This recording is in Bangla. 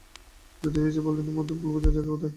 যতী হেসে বললে, এর মধ্যে ভুল বোঝার জায়গা কোথায়।